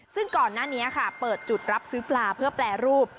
ซึ่งก่อนหน้านี้ค่ะเปิดจุดรับซื้อปลาเพื่อแปรรูป